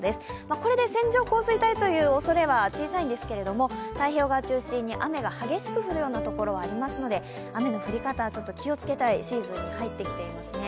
これで線状降水帯というおそれは小さいんですけども、太平洋側中心に雨が激しく降るところがありますので、雨の降り方、気をつけたいシーズンに入ってきていますね。